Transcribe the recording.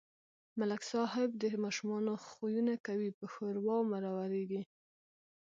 ملک صاحب د ماشومانو خویونه کوي په ښوراو مرورېږي.